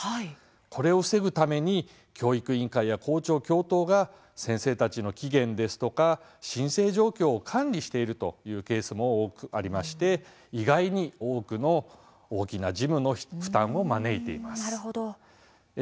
これを防ぐために教育委員会や校長、教頭が先生たちの期限ですとか申請状況を管理しているというケースも多くありまして意外に大きな事務の負担を招いています。